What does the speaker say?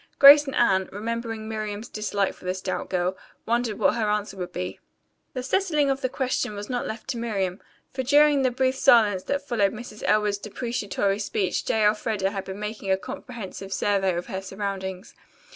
Grace and Anne, remembering Miriam's dislike for the stout girl, wondered what her answer would be. The settling of the question was not left to Miriam, for during the brief silence that followed Mrs. Elwood's deprecatory speech J. Elfreda had been making a comprehensive survey of her surroundings.